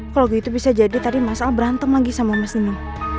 kalo gitu bisa jadi tadi mas al berantem lagi sama mas nino